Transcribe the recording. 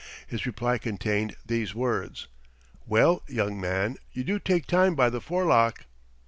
His reply contained these words: "Well, young man, you do take time by the forelock."